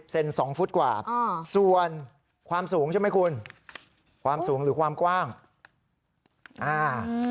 เซนสองฟุตกว่าส่วนความสูงใช่ไหมคุณความสูงหรือความกว้างอ่า